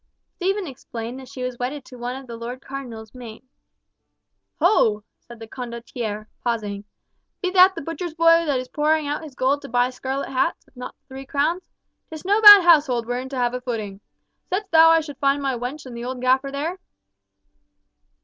Stephen explained that she was wedded to one of the Lord Cardinal's meiné. "Ho!" said the Condottiere, pausing, "be that the butcher's boy that is pouring out his gold to buy scarlet hats, if not the three crowns. 'Tis no bad household wherein to have a footing. Saidst thou I should find my wench and the old Gaffer there?"